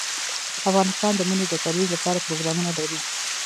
افغانستان د منی د ترویج لپاره پروګرامونه لري.